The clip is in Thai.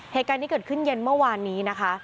เหตุการณ์นี้เกิดขึ้นเย็นเมื่อวานนี้นะคะ